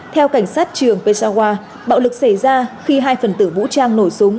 theo cảnh sát trường peshawar bạo lực xảy ra khi hai phần tử vũ trang nổi súng